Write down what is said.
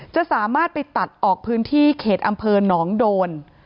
จะสามารถไปตัดออกพื้นที่เขตอำเภอหนองโดน